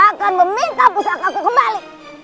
akan meminta pusakaku kembali